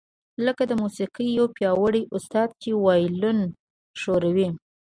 لکه د موسیقۍ یو پیاوړی استاد چې وایلون ښوروي